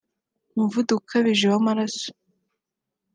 umuvuduko ukabije w’amaraso